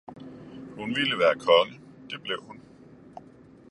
hun ville være konge, det blev hun.